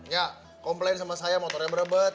ya komplain sama saya motornya berebut